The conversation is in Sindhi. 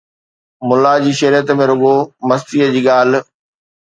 ملا جي شريعت ۾ رڳو مستيءَ جي ڳالهه